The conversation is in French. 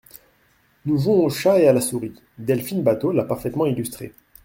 Nous jouons au chat et à la souris, Delphine Batho l’a parfaitement illustré.